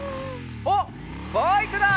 あっバイクだ！